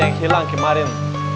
yang hilang kemarin